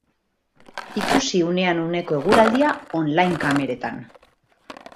Ikusi unean uneko eguraldia online kameretan.